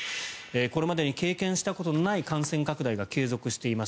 これまでに経験したことのない感染拡大が継続しています。